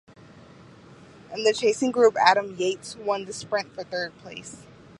In the chasing group Adam Yates won the sprint for third place.